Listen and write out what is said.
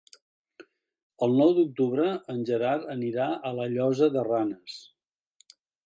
El nou d'octubre en Gerard anirà a la Llosa de Ranes.